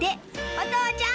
お父ちゃん！